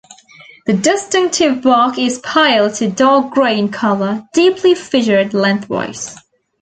The distinctive bark is pale to dark grey in colour, deeply fissured lengthwise.